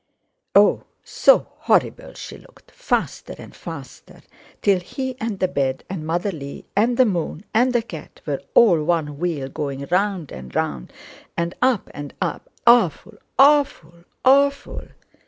Oh! so horrible she looked! Faster and faster!—till he and the bed and Mother Lee and the moon and the cat were all one wheel going round and round and up and up—awful—awful—awful!